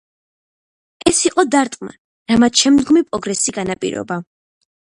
ეს იყო დარტყმა, რამაც შემდგომი პროგრესი განაპირობა.